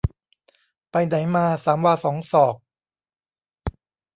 ไปไหนมา สามวาสองศอก